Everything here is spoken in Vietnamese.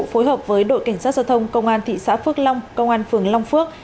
phối hợp với đội cảnh sát giao thông công an thị xã phước long công an phường long phước